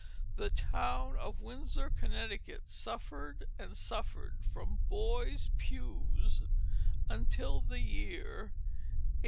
The town of Windsor, Connecticut, suffered and suffered from "boys pews" until the year 1845.